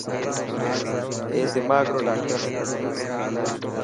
اي دماغ رو ڊاڪٽر هي.